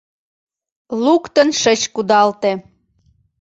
Луктын шыч кудалте.